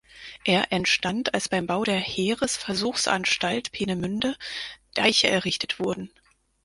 Er entstand, als beim Bau der Heeresversuchsanstalt Peenemünde Deiche errichtet wurden.